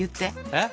えっ？